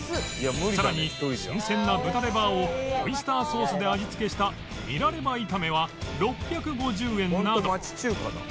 さらに新鮮な豚レバーをオイスターソースで味付けしたニラレバ炒めは６５０円など